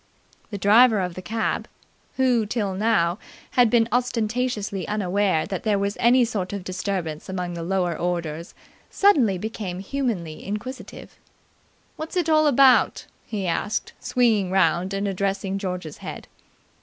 The driver of the cab, who till now had been ostentatiously unaware that there was any sort of disturbance among the lower orders, suddenly became humanly inquisitive. "What's it all about?" he asked, swinging around and addressing George's head.